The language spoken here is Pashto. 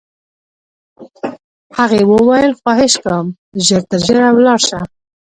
هغې وویل: خواهش کوم، ژر تر ژره ولاړ شه.